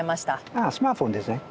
あっスマートフォンですね。